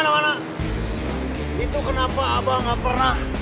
saya enggak jadi inget zaman dulu